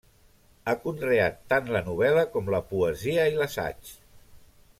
Ha conreat tant la novel·la com la poesia i l'assaig.